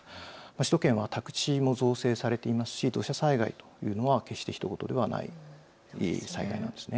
首都圏は宅地も造成されていますし土砂災害というのは決してひと事ではない災害なんです。